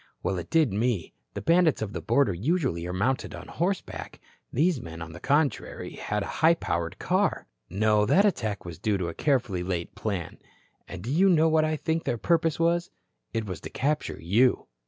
Well, it did me. The bandits of the border usually are mounted on horseback. These men, on the contrary, had a high powered car. No, that attack was due to a carefully laid plan. And do you know what I think their purpose was? It was to capture you."